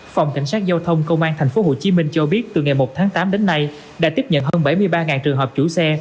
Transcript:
phòng cảnh sát giao thông công an tp hcm cho biết từ ngày một tháng tám đến nay đã tiếp nhận hơn bảy mươi ba trường hợp chủ xe